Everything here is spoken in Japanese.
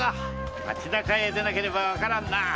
町中へ出なければわからんなあ！